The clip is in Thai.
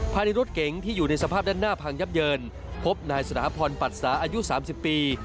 ภายในรถเก๋งที่อยู่ในสภาพด้านหน้าพังยับเยินพบนายสถาพรปัตสาอายุ๓๐ปี